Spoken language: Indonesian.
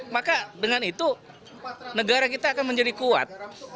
maka dengan itu negara kita akan menjadi kuat